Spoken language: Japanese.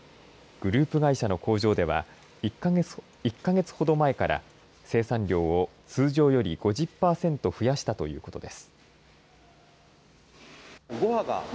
グループ会社の工場では、１か月ほど前から、生産量を通常より５０％増やしたということです。